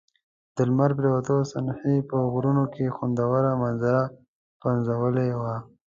د لمر پرېوتو صحنې په غرونو کې خوندوره منظره پنځولې وه.